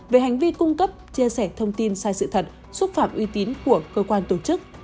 về hành vi cung cấp chia sẻ thông tin sai sự thật xúc phạm uy tín của cơ quan tổ chức